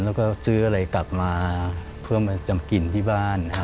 แล้วก็ซื้ออะไรกลับมาเพื่อมาจำกินที่บ้าน